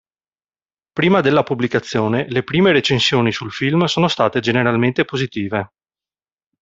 Prima della pubblicazione, le prime recensioni sul film sono state generalmente positive.